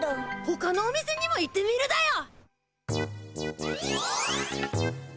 ほかのお店にも行ってみるだよ！